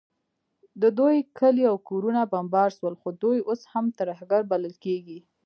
د دوی کلي او کورونه بمبار سول، خو دوی اوس هم ترهګر بلل کیږي